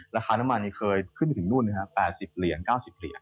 ราคาน้ำมันเคยขึ้นถึง๘๐๙๐เหรียญ